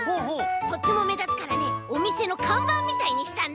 とってもめだつからねおみせのかんばんみたいにしたんだ！